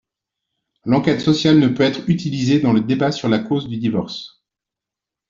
L’enquête sociale ne peut être utilisée dans le débat sur la cause du divorce.